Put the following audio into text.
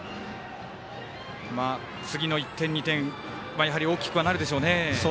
次の１点、２点やはり大きくはなるでしょうね。